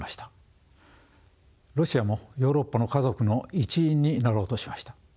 ロシアもヨーロッパの家族の一員になろうとしました。